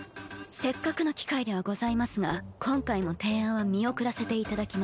せっかくの機会ではございますが今回も提案は見送らせていただきます。